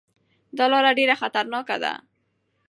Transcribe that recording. دا لاره ډېره خطرناکه ده.